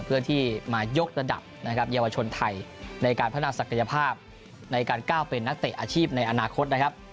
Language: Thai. เพื่อที่มายกระดับนะครับเยาวชนไทยในการพัฒนาศักยภาพในการก้าวเป็นนักเตะอาชีพในอนาคตนะครับ